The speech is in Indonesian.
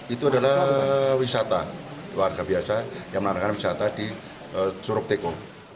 itu adalah wisata warga biasa yang menandakan wisata di curug teko